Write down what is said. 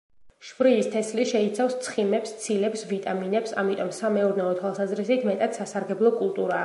შვრიის თესლი შეიცავს ცხიმებს, ცილებს, ვიტამინებს, ამიტომ სამეურნეო თვალსაზრისით მეტად სასარგებლო კულტურაა.